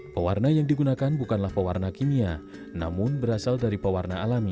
pewarna yang digunakan bukanlah pewarna kimia namun berasal dari pewarna alami